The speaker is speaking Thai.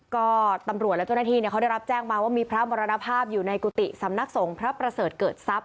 ก็ตำรวจและเจ้าหน้าที่เขาได้รับแจ้งมาว่ามีพระมรณภาพอยู่ในกุฏิสำนักสงฆ์พระประเสริฐเกิดทรัพย